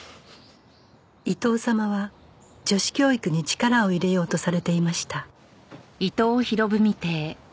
伊藤様は女子教育に力を入れようとされていました